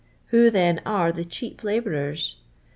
Who. th n. ar.' th cheap labiurers